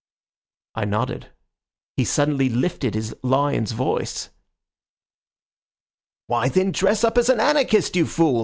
I nodded. He suddenly lifted his lion's voice. 'Why, then, dress up as an anarchist, you fool!